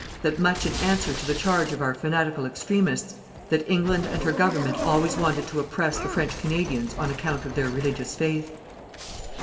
That much in answer to the charge of our fanatical extremists that England and her Government always wanted to oppress the French Canadians on account of their religious faith.